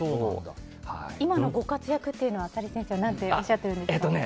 今のご活躍を浅利先生はどうおっしゃっていたんですか？